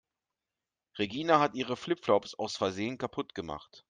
Regina hat ihre Flip-Flops aus Versehen kaputt gemacht.